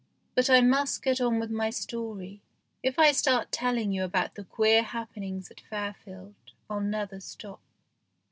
But I must get on with my story; if I start telling you about the queer happenings at Fairfield I'll never stop.